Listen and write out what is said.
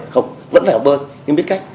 không vẫn phải học bơi nhưng biết cách